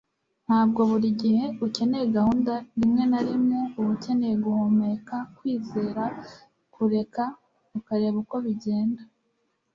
ntabwo buri gihe ukeneye gahunda rimwe na rimwe, uba ukeneye guhumeka, kwizera, kureka ukareba uko bigenda